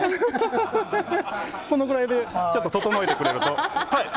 このぐらいで整えてくれると。